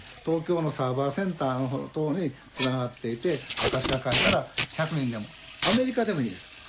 東京のサーバーセンターのところにつながっていて私が書いたら１００人でもアメリカでもいいです。